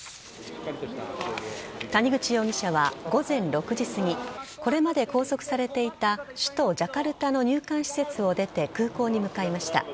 谷口容疑者は午前６時すぎこれまで拘束されていた首都・ジャカルタの入管施設を出て空港に向かいました。